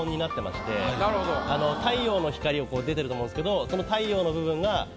太陽の光出てると思うんですけど。